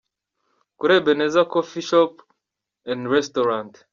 Kuri Ebenezer Coffee Shop and Restaurant.